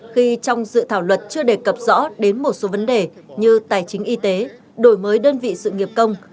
khi trong dự thảo luật chưa đề cập rõ đến một số vấn đề như tài chính y tế đổi mới đơn vị sự nghiệp công